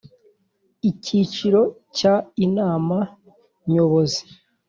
Icyiciro cya Inama Nyobozi